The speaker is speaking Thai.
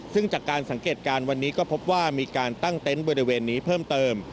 ซึ่งจากการสังเกตการณ์วันนี้ก็พบว่ามีการตั้งเต็นต์บริเวณนี้เพิ่มเติม